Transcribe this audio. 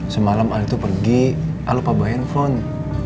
semalam aku pergi aku lupa bawa handphone